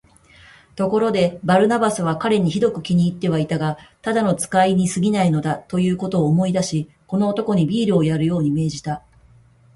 ところで、バルナバスは彼にひどく気に入ってはいたが、ただの使いにすぎないのだ、ということを思い出し、この男にビールをやるように命じた。